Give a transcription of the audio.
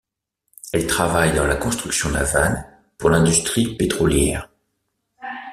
Elle travaille dans la construction navale pour l'industrie pétrolière.